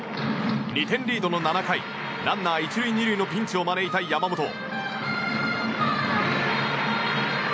２点リードの７回ランナー１塁２塁のピンチを招いた山本。